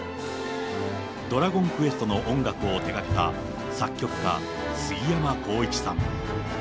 ドラゴンクエストの音楽を手がけた、作曲家、すぎやまこういちさん。